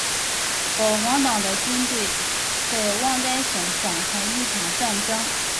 保皇党的军队在旺代省展开一场战争。